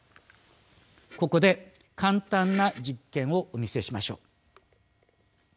ここで簡単な実験をお見せしましょう。